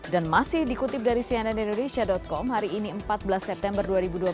dan masih dikutip dari cnn indonesia com hari ini empat belas september dua ribu dua puluh dua